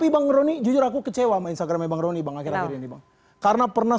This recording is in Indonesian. bang roni jujur aku kecewa sama instagramnya bang rony bang akhir akhir ini bang karena pernah